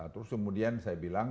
terus kemudian saya bilang